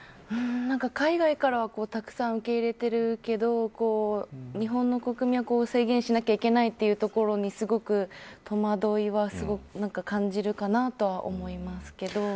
海外からたくさん受け入れているけど日本の国民は制限しないといけないというところにすごく戸惑いは感じるかなとは思いますけど。